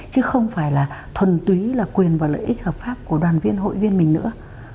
chứ không phải là thuần túy là quyền và lợi ích hợp pháp của đoàn viên hội viên mình nữa